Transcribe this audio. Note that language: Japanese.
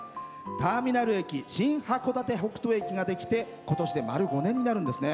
ターミナル駅新函館北斗駅ができてことしで丸５年になるんですね。